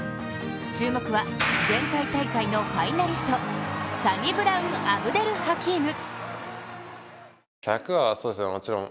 注目は、前回大会のファイナリストサニブラウン・アブデル・ハキーム。